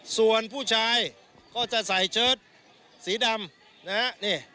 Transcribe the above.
ส่วนผู้ชายก็จะใส่เชิดสีดำนะฮะ